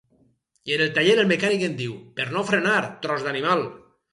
I en el taller, el mecànic em diu: per no frenar, tros d'animal!